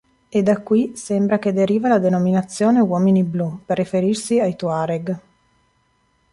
È da qui, sembra, che deriva la denominazione "uomini blu" per riferirsi ai Tuareg.